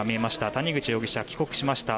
谷口容疑者、帰国しました。